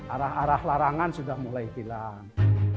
arah arah larangan sudah mulai hilang